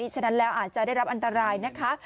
ฉะนั้นแล้วอาจจะได้รับอันตรายนะคะ